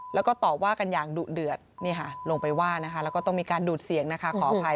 แล้วก็ต่อว่ากันอย่างดุเดือดนี่ค่ะลงไปว่านะคะแล้วก็ต้องมีการดูดเสียงนะคะขออภัย